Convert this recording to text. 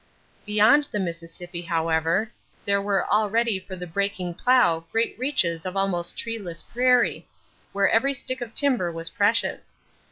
Beyond the Mississippi, however, there were all ready for the breaking plow great reaches of almost treeless prairie, where every stick of timber was precious.